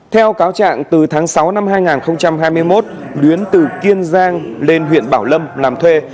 theo cáo trạng từ tháng sáu năm hai nghìn hai mươi một luyến từ kiên giang lên huyện bảo lâm làm thuê